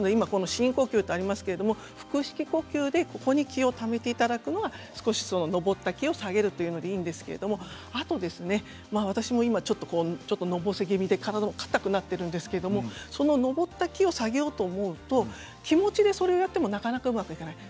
深呼吸がありますが腹式呼吸でそこに気をためていただくのが気を下げるのでいいんですけれどあと私もちょっとのぼせ気味で体が硬くなっているんですけれど上った気を下げようと思うと気持ちでそれをやってもなかなかうまくいきません。